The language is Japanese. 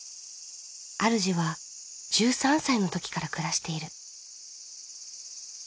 あるじは１３歳のときから暮らしている。